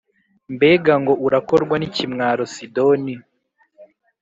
Mbega ngo urakorwa n’ikimwaro, Sidoni,